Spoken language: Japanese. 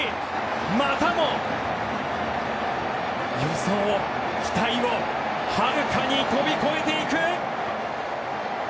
またも、予想、期待をはるかに飛び越えていく！